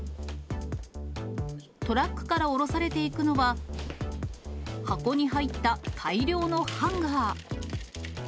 トラックから降ろされていくのは、箱に入った大量のハンガー。